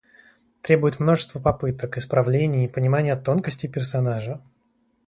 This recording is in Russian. Требует множество попыток, исправлений и понимания тонкостей персонажа.